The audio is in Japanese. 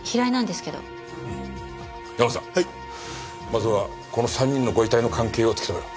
まずはこの３人のご遺体の関係を突き止めろ。